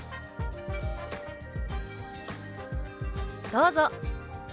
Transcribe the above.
どうぞ！